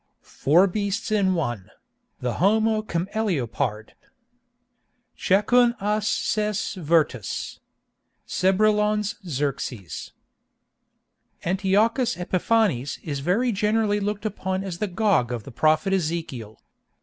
FOUR BEASTS IN ONE—THE HOMO CAMELEOPARD Chacun a ses vertus. —Crébillon's Xerxes. Antiochus Epiphanes is very generally looked upon as the Gog of the prophet Ezekiel.